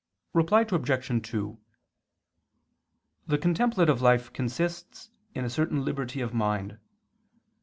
Reply Obj. 2: The contemplative life consists in a certain liberty of mind.